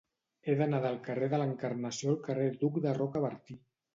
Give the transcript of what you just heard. He d'anar del carrer de l'Encarnació al carrer d'Hug de Rocabertí.